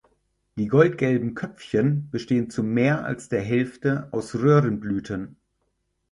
Die goldgelben Köpfchen bestehen zu mehr als der Hälfte aus Röhrenblüten.